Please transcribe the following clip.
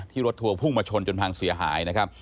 รถทัวร์พุ่งมาชนจนพังเสียหายนะครับ